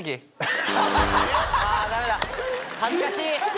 恥ずかしい。